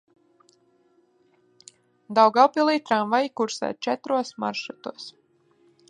Daugavpilī tramvaji kursē četros maršrutos.